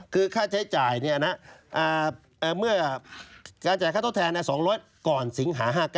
คือค่าใช้จ่ายเนี่ยนะอ่าเมื่อการจ่ายค่าต้นแทนเนี่ย๒๐๐ก่อนสิงหา๕๙